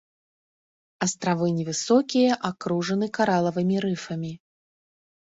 Астравы невысокія, акружаны каралавымі рыфамі.